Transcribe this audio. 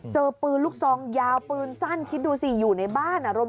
เจอปืนลูกซองยาวปืนสั้นคิดดูสิอยู่ในบ้านอ่ะ